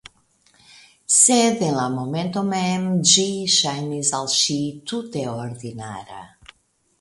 Sed en la momento mem, ĝi ŝajnis al ŝi tute ordinara.